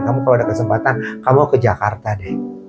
kamu kalau ada kesempatan kamu ke jakarta deh